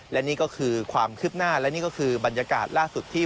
และนี่ก็คือความคืบหน้าและนี่ก็คือบรรยากาศล่าสุดที่